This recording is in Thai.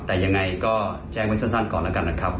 แต่ยังไงก็แจ้งไว้สั้นก่อนแล้วกันนะครับ